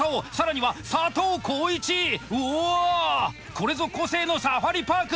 これぞ個性のサファリパーク！